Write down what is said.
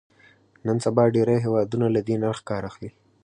نن سبا ډېری هېوادونه له دې نرخ کار اخلي.